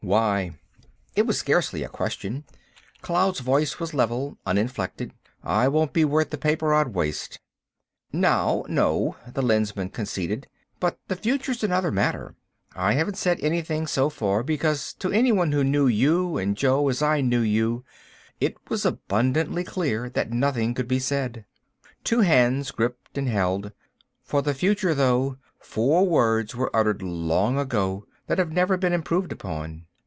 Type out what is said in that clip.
"Why?" It was scarcely a question; Cloud's voice was level, uninflected. "I won't be worth the paper I'd waste." "Now, no," the Lensman conceded, "but the future's another matter. I haven't said anything so far, because to anyone who knew you and Jo as I knew you it was abundantly clear that nothing could be said." Two hands gripped and held. "For the future, though, four words were uttered long ago, that have never been improved upon.